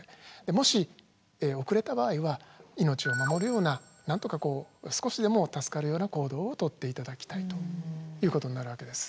もし遅れた場合は命をまもるようななんとかこう少しでも助かるような行動を取っていただきたいということになるわけです。